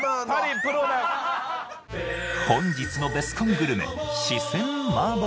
プロだ本日のベスコングルメ